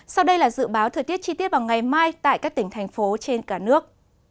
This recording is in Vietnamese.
sau đây là dự báo thời tiết chi tiết vào ngày mai tại các tỉnh thành phố trên cả nước